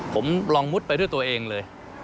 ผมลองมุดไปด้วยตัวเองเลย